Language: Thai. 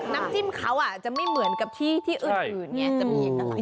น้ำจิ้มเขาจะไม่เหมือนกับที่อื่นไงจะมีเอกลักษณ์